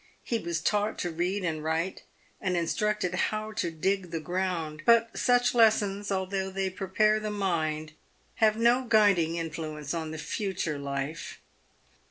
He was taught to read and write and instructed how to dig the ground, but such lessons, although they prepare the mind, have no guiding influence on the future life.